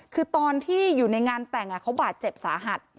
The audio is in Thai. คือตอนที่อยู่ในงานแต่งเขาบาดเจ็บสาหัส